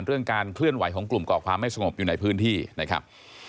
เรื่องการเคลื่อนไหวของกลุ่มก่อความไม่สงบอยู่ในพื้นที่นะครับ